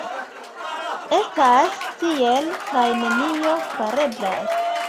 Estas tiel, kaj nenio fareblas.